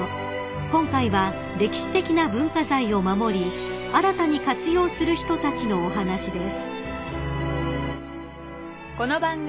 ［今回は歴史的な文化財を守り新たに活用する人たちのお話です］